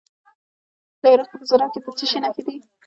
د هرات په ګذره کې د څه شي نښې دي؟